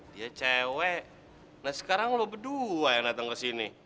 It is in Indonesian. dia cewek nah sekarang lo berdua yang datang kesini